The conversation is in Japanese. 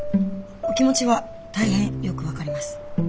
お気持ちは大変よく分かりますはい。